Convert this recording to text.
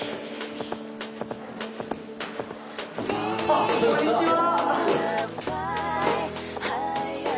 あっこんにちは。